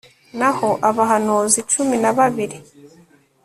naho abahanuzi cumi na babiri